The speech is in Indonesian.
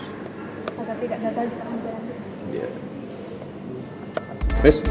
agar tidak gagal di kementerian